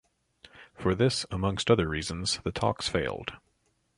For this, amongst other reasons, the talks failed.